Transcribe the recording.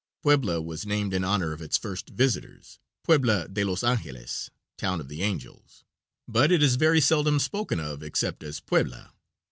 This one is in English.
Puebla was named in honor of its first visitors, Puebla de los Angles (Town of the Angels), but it is very seldom spoken of except as Puebla.